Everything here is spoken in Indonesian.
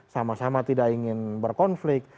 sama sama tidak ingin berkonflik